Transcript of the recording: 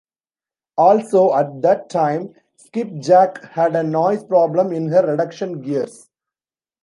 Also, at that time, "Skipjack" had a noise problem in her reduction gears.